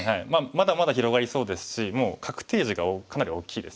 まだまだ広がりそうですしもう確定地がかなり大きいですよね。